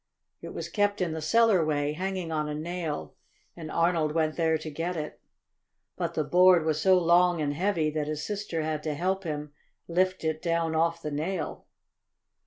It was kept in the cellar way, hanging on a nail, and Arnold went there to get it. But the board was so long and heavy that his sister had to help him lift it down off the nail.